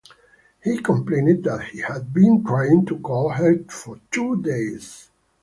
He complained that he had been trying to call her for two days.